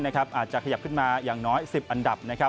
อาจจะขยับขึ้นมาอย่างน้อย๑๐อันดับนะครับ